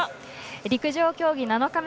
陸上競技７日目。